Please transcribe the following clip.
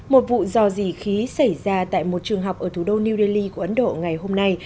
một vụ dò dỉ khí xảy ra tại một trường học ở thủ đô new delhi của ấn độ ngày hôm nay